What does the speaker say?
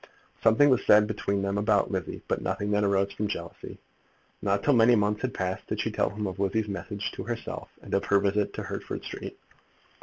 Something was said between them about Lizzie, but nothing that arose from jealousy. Not till many months had passed did she tell him of Lizzie's message to herself, and of her visit to Hertford Street.